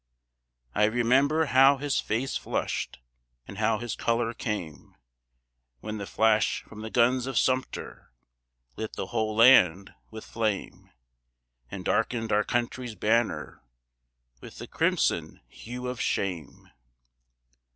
I remember how his face flushed, And how his color came, When the flash from the guns of Sumter Lit the whole land with flame, And darkened our country's banner With the crimson hue of shame.